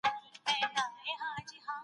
نو د وینې فشار لوړېږي.